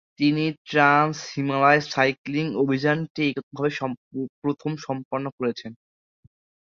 তিনি ট্রান্স-হিমালয় সাইক্লিং অভিযানটি এককভাবে প্রথম সম্পন্ন করেছেন।